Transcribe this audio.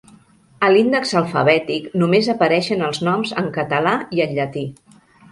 A l'índex alfabètic només apareixen els noms en català i en llatí.